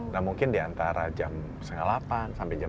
nah mungkin di antara jam setengah delapan sampai jam dua puluh